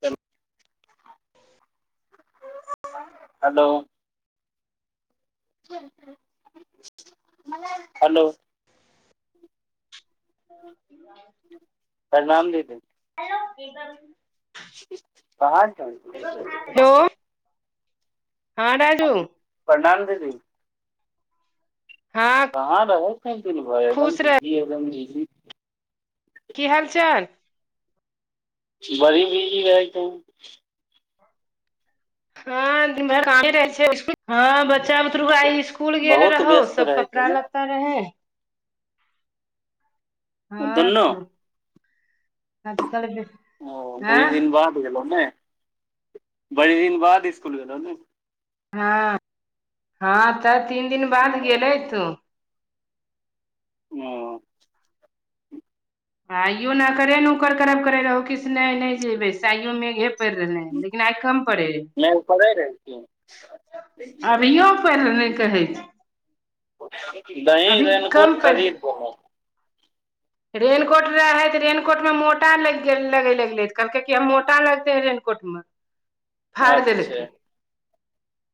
चलु [inaudible] हलो। [unintelligible] हलो। [inaudible] प्रणाम दीदी। हेलो। बाहर छली। हां राजू। परनाम दीदी। हां। कहां रहै छा दिन भैर एकदम बिजी, एकदम बिजी। की हाल-चाल। बड़ी बीजी रही तू। हां दिन भैर कामे रहै छै, [unintelligible] हां बच्चा बुतरु के आय इस कूल गेल बहुत रहौ व्यस्त सब रहै छै कपड़ा ने लत्ता रहै। हां दुनू तऽ आज-कल भी ओ बड़ी दिन बाद गेलौ नै, बड़ी दिन बाद इसकुल गेलौ नै। हां, हां तऽ तीन दिन बाद गेलै तू। ओ। आइयो नकरे नुकर करब करे रहौ कि से नै नै जेबै से आइयो मेघे पैर रहलै, लेकिन आय कम पड़े। नहि पढ़ै रहै छियै अभियो पैड़ रहलै कहै छै। दही अभी रेन कोट कम खरीद क। रेन कोट रहे तऽ रेनकोट मे मोटा लैग गेल लगे लगलै तऽ कहलकै कि हम मोटा लग ते रेन कोट मे। [inaudible] फाड़ अच्छा देलके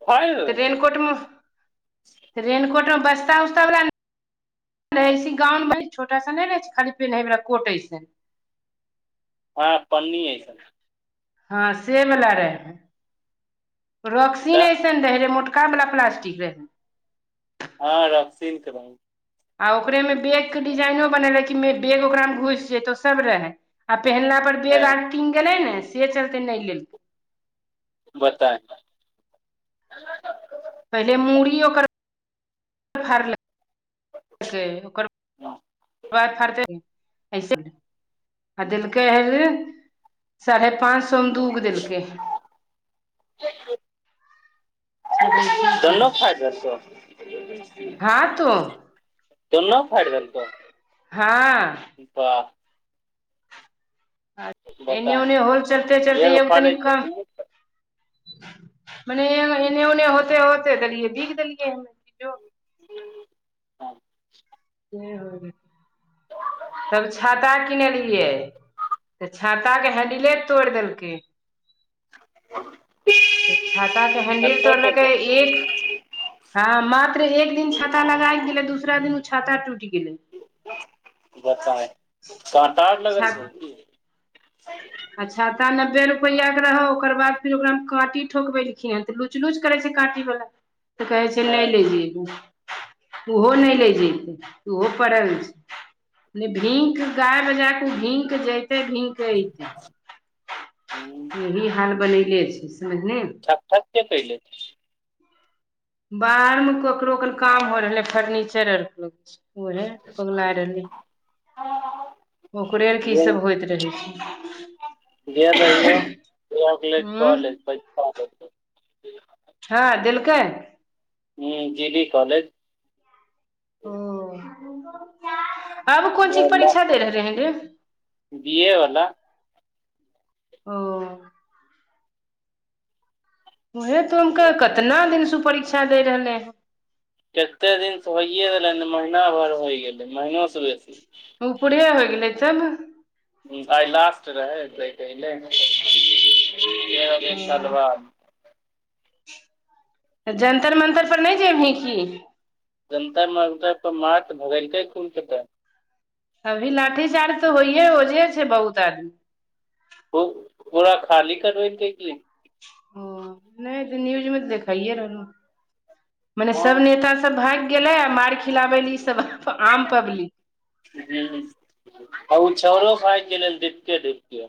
फाड़ि तऽ देलकै रेन कोट मे रेन कोटमे बस्ता-उस्ता बला नै रहै छी गाउन मे छोटा सा ने रहै छै खाली पिन्हे वला कोट ऐसे हां पन्नी ऐसन। हां से बला रहै। रॉक्सिन तऽ ऐसन रहे रहै, मोटका वला प्लास्टिक रहै। हां रॉक्सिन के रहो। आ ओकरे मे बैग के डिजाइनो बनेले मे बैग ओकरा मे घुस जेतो सब रहै आ पिहिनला पर बैग आर हँ भींग गेलै ने से चलतै नै लेल बताऽ। पहले मूड़ी ओकर फाड़लकै ओकर बाद फाड़तै की। ऐसे आ देलकै हे साढ़े पाँच सौ मे दूगो देलकै। सब ऐसे ही [unintelligible] छै दुनो फाएड़ देलकौ। हँ तो दुनो फाएड़ देलकौ। हँ। बाह। एने ओने बताही होई चलते- चलत एगो तनीका। मने एने ओने होते - होते देलियै बीग देलियै ह। [inaudible] तब छाता किनलियै, तऽ छाता के हैंडिले तोड़ि देलकै। छाता के हेंडिल तोड़ देलकै एक हँ मात्र एक दिन छाता लगाक गेले, दूसरा दिन उ छाता टूटि गेलै। बताउ कहां तार लगल छै की? अच्छा ता नब्बे रुपैआ के रहौ, ओकर बाद फिर ओकरा काॅंटी ठोकबेलखिन हे, तऽ लुच लुच करे छै काँटी वाला। तऽ कहै छै हँ नहि ले जयबै, ओहो नहि ले जेतै। ओहो पड़ल छै, भींक गाय बजा कऽ ओ भींक जेतै हूँ अ इ हाल बनैले छै समझले। ठक- ठक के पहिले। बाहर में ककरो क काम हो रहलै फर्नीचर आर। ओहे पगला रहलय। ओकरे अर के इसभ होइत रहै छै। छै उं [inaudible] हँ देलकै। ह जी- डी कॉलेज। ओ आब कोन चीज के परीक्षा दे रहलै हे रे। बी- ए वला। ओ। उहे त हम कहले, कितना दिन से परीक्षा दे रहले हे। कते दिनसँ होइए रहलै ने, महीना भरि होइ गेलै महनोसँ बेसी। उपरे हो गेलै तब। आइ लास्ट रहै तै एलैए एक साल बाद। जंतर- मंतर पर नहि जेबही की? जंतर -मंरत पर मार के भगायलकै खूब कऽके। अभी लाठी चार्ज तऽ होइये ओजे छै बहुत आदमी। ओ पूरा खाली करबैलकै की? ओ नहि त न्यूज में तऽ देखखाइए रहलै हें। मने सभ हँ नेताा सभ भागि गेलै आ मार खिलाबै ल ईसभ आम पब्लिक। ह ओ छौरो भागि गेलै देखते देखते।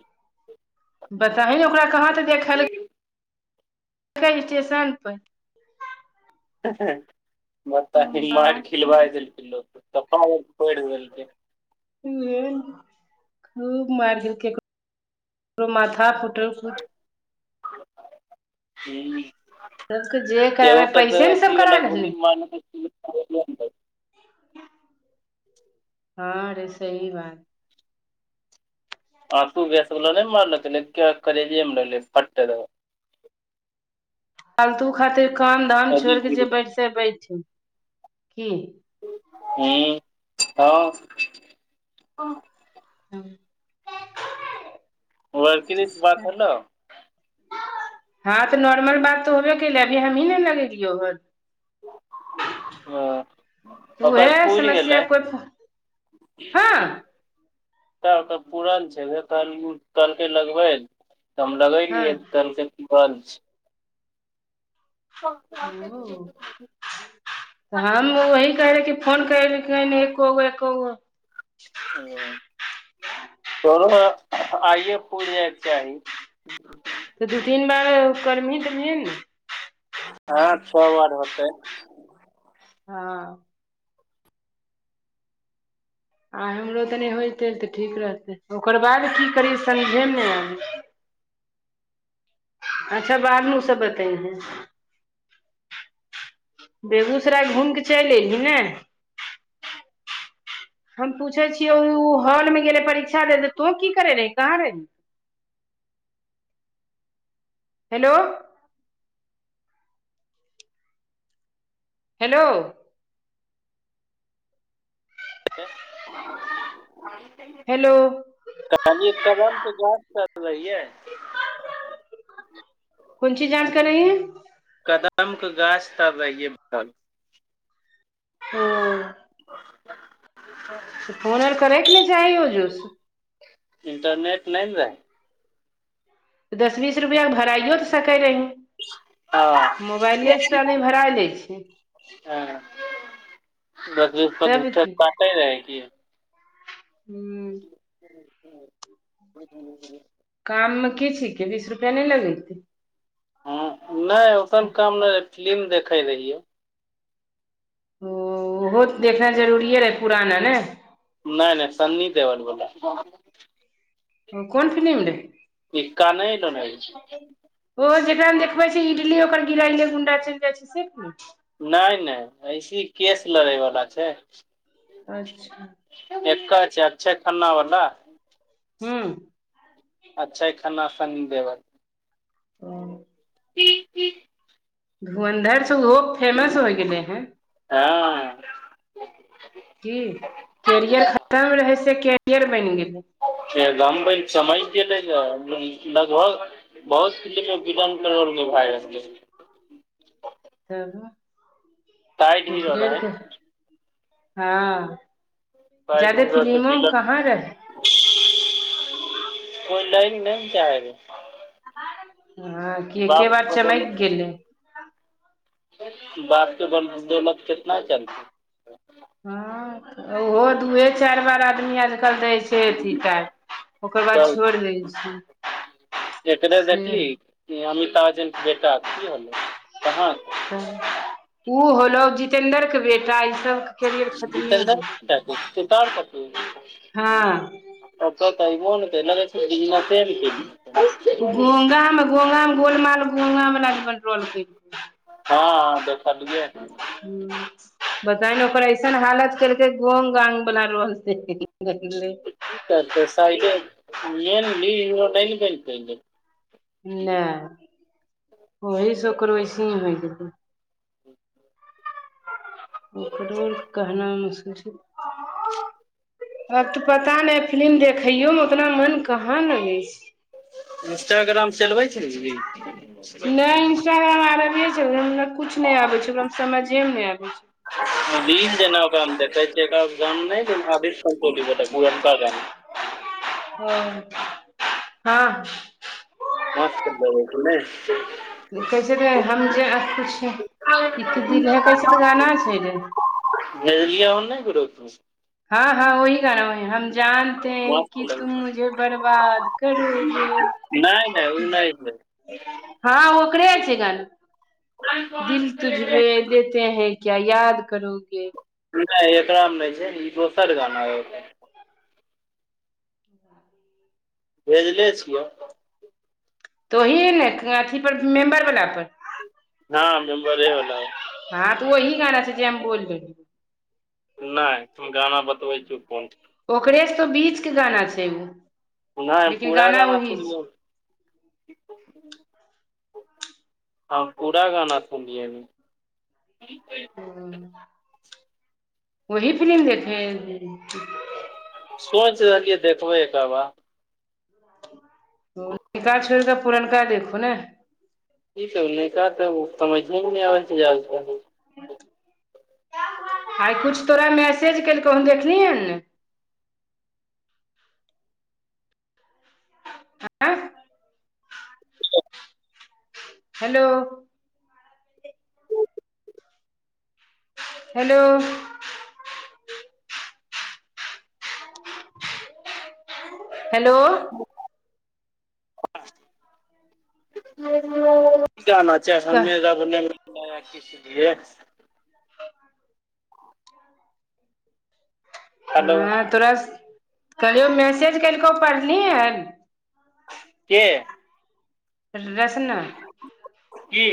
बताहि ने ओकरा कहाँ त देखल स्टेशन पर। बता ही मार खिलबााय देलकै लोक के कपार और फोरदेलके। खूब मारि देलकै ककरो माथा फुटल। हूं। सबके जे एगो कराबै के त पैसे ने सब करा अथीवला लेलकै गोली मारने हँ रे सही बात। आंसू गैस बला नहि मारलके करेजे मे लगलै फट दऽ। फालतू खातिर काम धाम छोड़ के जे बैठे से बैठी की। हूॅं -हॅं। हां। बड़की दी से बात होलौ। हां तऽ नॉर्मल बात तऽ होबे केलै अभी हमही ने लगेलियो हन। हां। ओकर उहे पूर गेलै। समस्या कोइ हँ त ओकर पूरल छै, उहे कहलु कहलकै लगबैल तऽ हम हँ लगेलियै कहलकै बन्द छै। औ तहन उ वहि कहै रहै कि फोन करलकै नै एको बेर एकोगो। ओ तोरो आइये पूर जाय चाही। तऽ दू-तीन बार करभी तभिये ने। हां छ बार होतै। हां। आय हमरो तनि होयतै तऽ ठीक रहतै, ओकर बाद की करीयै समझे ने आबै छै। अच्छा बाद मे उ सब बतैबो। बेगूसराय घुम के चैल एयली नै। हम पुछै छियौ उ हॉल मे गेले परीक्षा देलै तू की करै रही, कहाँ रही। हेलो। हेलो। हेलो। कहनी कदम के गाछ तरफ रहिये। कुन चीज जांच करै [unintelligible] कदम के गाछ तर रहिये तहन। ओ। [inaudible] त फोन आर करै के ने चाही ओजो से। इंटरनेट नै ने रहै। दस-बीस रुपया के भरायो त सकै रही। मुबाएले से ते आदमी भराय लै छै। दस-बीस रूपा तब झूठे से काटे रहै की। हुं। [inaudible] काम मे की छिकै बीस रुपया नै लगैते। हां नै ओसन काम नै रहै फिलिम देखै रहिये। ओ उहो ते देखनाय जरूरीये रहै पुराना नै। नै-नै सन्नी देवल बला। अ कौन फिलिम रहै। इक्का नै ऐलो अय बीच मे। ओ जेकरा मे देखबै छै इडली ओकर गिराएले गुंडा चैल जाय छै से फिलिम। नै-नै ऐसे केश लड़य बला छै। अच्छा। ऐकर छै अक्षय खन्ना बला। हुं। अक्षय खन्ना, सन्नी देबल। ओ। धुरंधर स ओहो फेमस होइ गेलै हें। हं अ। की कैरियर खतम रहय से कैरियर बनि गेलै। एकदमे चमकि गेलै ये लगभग बहुत फिल्म मे विलेन के रोल मे निभाय रहलै। तब साइड हीरो रहै ने [unintelligible] हां अ साइड जादे हीरो तऽ फिलिमों मे विलन कहाँ रहै। [inaudible] कोइ लै नै ने चाहय। हॅं कि एके बाप के बार चमकि बदौलत गेलै। बाप के बदौलत कितना चलतै। हॅं उहो दुए चारि बार आदमी आनि क दै छै। से अथी [unintelligible] ओकर बाद तब छोड़ि दै छी से इ अमिताभ बच्चन के बेटा कि होलै? कहां? उ होलौ जितेन्द्र के बेटा इ सब जीतेन्द्र के बेटा के तुषार कपूर? हँ [inaudible] गूंगा में - गूंगा में, गोलमाल में गुंगा म लगभग रोल केलकय। हम देखलियै हन। [inaudible] पता नै ओकर ऐसन हालत केलकै गोंग गाग बला रोल त दसइले [unintelligible] नै ने बैनतै। ने ओही सँ ओकर वैसने होइ गेलै। ओकरो ले कहना मुश्किल छै। आ कि पता नै फिलिम देख खैयो मे उतना मन कहाँ लगै छै। इन्स्टाग्राम चलबै छलही? नै इंस्टाग्राम आर अबै छै ओकरा कुछ नै आबै छै ओकरा समझे मे नै आबै छै। नै जेना ओकरा हम देखै छियै त [unintelligible] पुरनका जन्म [inaudible] हँ मास्क लेबै कि नै? कैसे रे हम जे नै कुछ दिल है कैसे तऽ गाना होइ छै रे। भेजलियै हम नै ग्रुप मे, से। हँ हँ वही गाना होइ हन। जानते हैं कि मस्त तुम लगै मुझे बर्बाद करोगे। छै नै नै उ नै छै हाँ ओकरे छै गाना दिल तुझमे देते हैं क्या याद करोगे। नै एकरा में नै छै ई दोसर गाना अइ। भेजले छियऽ तऽ ओहि ने अथी पर कि मेम्बर बला पर। हँ मेम्बरे बला पर। हां त ओही गाना छै जे हम बोलले। नै हम गाना बतबै छियौ कोन ओकरे से बीच के गाना छै उ। नै हम लेकिन पूरा गाना वही सुन छै लियौ। [unintelligible] [unintelligible] सोंइच रहलियै देखबै एकऽ बा ओ नबका छोइड़ कऽ पुरनका देखू ने। ई सब नैका तऽ उ समैझे में नै आबै छै [unintelligible] आइ कुछ तोरा मैसेज केलकौ हन देखलिहन नै। आँ हैलो हैलो हेलो गाना छै कह हमें रब ने बनाया किसलिए हेलो हें तोरा स कहलियौ मैसेज केलकौ पढ़ली हन। के रेसना की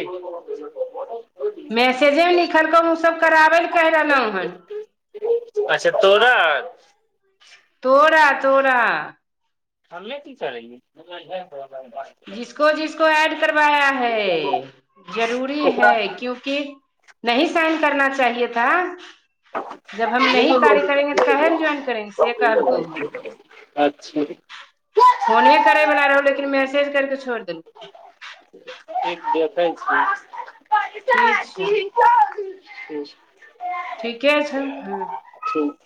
मैसेजे में लिखलकौ ओ सब कराबै लए कहि रहलहु हन। अच्छा तोरा तोरा-तोरा। हमै की करैयै? [unintelligible] [unintelligible] [inaudible] जब हम नहीं कार्य करेंगे तऽ काहे ने ज्वाइन करेंगे से कहलकौ हन [unintelligible] अच्छा फोने करैवला रहौ लेकिन मैसेज कइर कऽ छोइड़ देल ठीक देखै छीयै। ठीक छै। [unintelligible] ठीके छै हं। ठीक